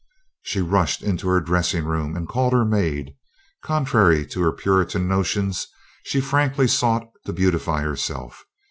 She rushed into her dressing room and called her maid. Contrary to her Puritan notions, she frankly sought to beautify herself.